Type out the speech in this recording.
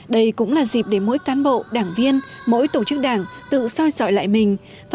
đây cũng là dịp để mỗi cán bộ đảng viên mỗi tổ chức đảng tự soi sỏi lại mình